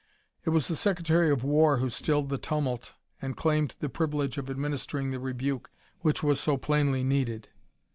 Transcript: It was the Secretary of War who stilled the tumult and claimed the privilege of administering the rebuke which was so plainly needed.